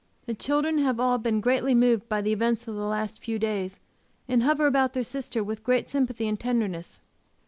The children have all been greatly moved by the events of the last few days, and hover about their sister with great sympathy and tenderness.